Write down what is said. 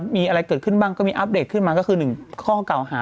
มีอะไรเกิดขึ้นบ้างก็มีอัปเดตขึ้นมาก็คือ๑ข้อเก่าหา